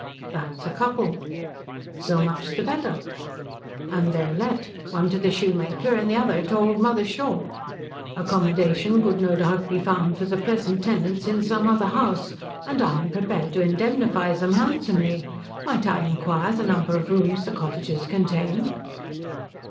"That's a couple." "So much the better." "And they're let. One to the shoemaker, and the other to old mother Shaw." "Accommodation could no doubt be found for the present tenants in some other house, and I am prepared to indemnify them handsomely. Might I inquire the number of rooms the cottages contain?"